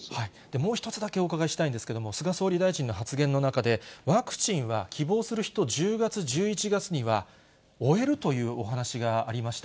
もう一つだけお伺いしたいんですけれども、菅総理大臣の発言の中で、ワクチンは希望する人、１０月、１１月には終えるというお話がありました。